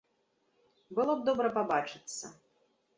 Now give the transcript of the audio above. Было б добра пабачыцца.